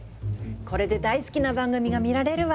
これで大好きな番組が見られるわ！